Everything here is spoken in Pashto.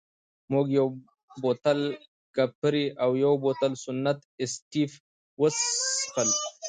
مو یو بوتل کپري او یو بوتل سنت اېسټېف وڅېښل.